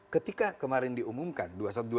ketika kemarin diumumkan dua ratus dua puluh dua